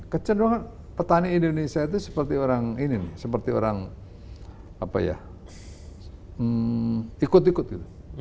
kecenderungan petani indonesia itu seperti orang ini nih seperti orang ikut ikut gitu